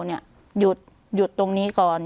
หยุดตรงนี้ก่อน